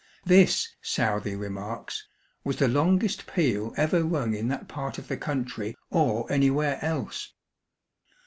This, Southey remarks, 'was the longest peal ever rung in that part of the country or anywhere else.'